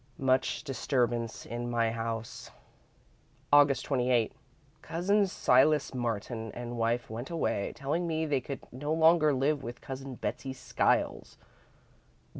Much disturbance in my house. "Aug. 28. Cousin Silas Martin and wife went away, telling me they could no longer live with Cousin Betsey Skiles.